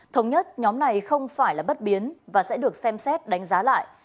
thống nhất nhóm này không phải là bất biến và sẽ được xem xét đánh giá lại